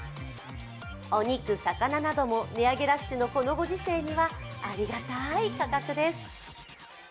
お肉魚なども値上げラッシュのこのご時世にはありがたい価格です。